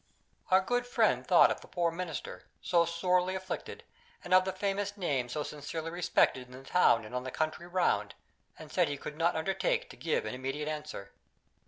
Our good friend thought of the poor Minister, so sorely afflicted, and of the famous name so sincerely respected in the town and in the country round, and said he could not undertake to give an immediate answer.